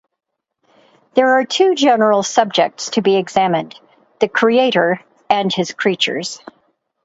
There are two general subjects to be examined: the creator and his creatures.